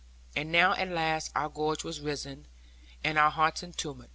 And now at last our gorge was risen, and our hearts in tumult.